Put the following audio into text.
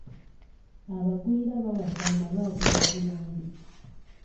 Abagwira bawadde amalwaliro obuyambi.